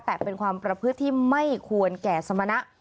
แต่เป็นความประพฤติที่ไม่ควรแก่สมณะ